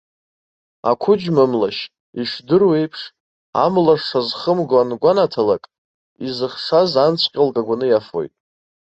Ақәыџьма млашь, ишдыру еиԥш, амла шазхымго ангәанаҭалак, изыхшаз анҵәҟьа лкагәаны иафоит.